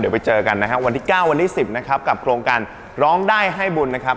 เดี๋ยวไปเจอกันนะฮะวันที่๙วันที่๑๐นะครับกับโครงการร้องได้ให้บุญนะครับ